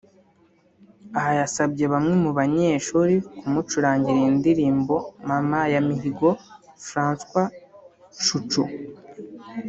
Aha yasabye bamwe mu banyeshuri kumucurangira iyi ndirimbo ‘Mama’ ya Mihigo Francois Chouchou